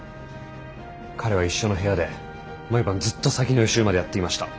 彼は一緒の部屋で毎晩ずっと先の予習までやっていました。